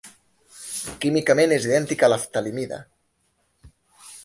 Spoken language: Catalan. Químicament és idèntic a la ftalimida.